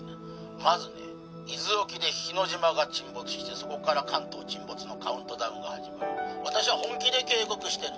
まずね伊豆沖で日之島が沈没してそこから関東沈没のカウントダウンが始まる私は本気で警告してる